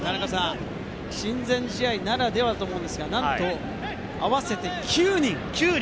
親善試合ならではと思うんですけれど、なんと合わせて９人！